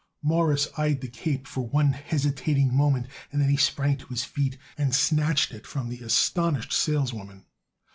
Morris eyed the cape for one hesitating moment, and then he sprang to his feet and snatched it from the astonished saleswoman.